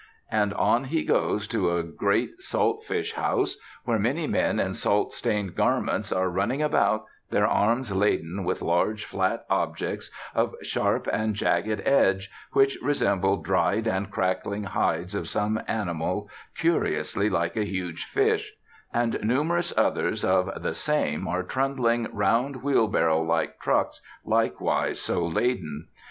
And on he goes to a great saltfish house, where many men in salt stained garments are running about, their arms laden with large flat objects, of sharp and jagged edge, which resemble dried and crackling hides of some animal curiously like a huge fish; and numerous others of "the same" are trundling round wheelbarrow like trucks likewise so laden.